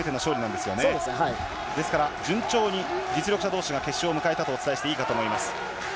ですから、順調に決勝を迎えたとお伝えしていいかと思います。